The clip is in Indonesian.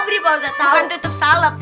bukan tutup salep